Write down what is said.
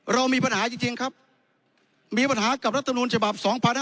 เรามีปัญหาจริงครับมีปัญหากับรัฐมนูลฉบับ๒๕๖๒